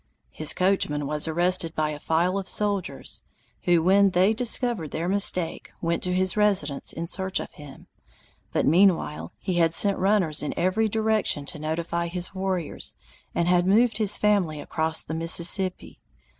His coachman was arrested by a file of soldiers, who when they discovered their mistake went to his residence in search of him, but meanwhile he had sent runners in every direction to notify his warriors, and had moved his family across the Mississippi.